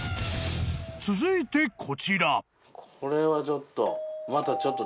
［続いてこちら］